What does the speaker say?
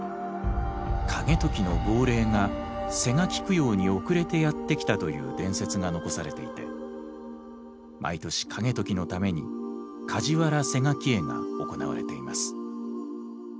景時の亡霊が施餓鬼供養に遅れてやって来たという伝説が残されていて毎年景時のために梶原施餓鬼会が行われています。